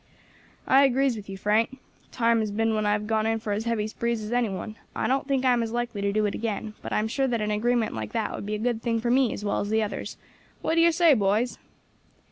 "I agrees with you, Frank. Time has been when I have gone in for as heavy sprees as any one. I don't think as I am likely to do it again, but I am sure that an agreement like that would be a good thing for me as well as the others. What do yer say, boys?"